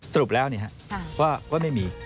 สรุปแล้วว่าไม่มี